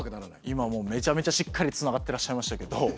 今もうめちゃめちゃしっかりつながってらっしゃいましたけど。